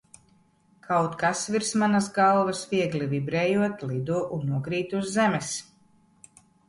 Kaut kas virs manas galvas, viegli vibrējot, lido un nokrīt uz zemes.